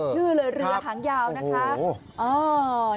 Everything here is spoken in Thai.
ยาวสมชื่อเลยเรือหางยาวโอ้โฮ